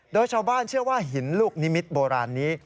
โดยชาวบ้านเชื่อว่าหินลูกนิมิตรโบราณนี้